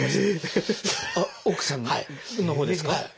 奥さんの方ですか？